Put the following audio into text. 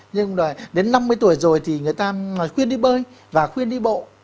nhưng đến năm mươi tuổi rồi thì người ta khuyên đi bơi và khuyên đi bộ